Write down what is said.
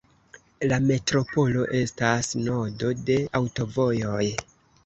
La metropolo estas nodo de aŭtovojoj.